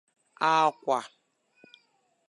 ákwà